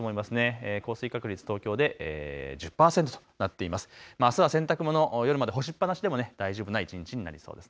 あすは洗濯物、夜まで干しっぱなしも大丈夫な一日になりそうです。